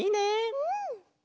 うん！